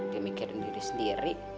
dia mikirin diri sendiri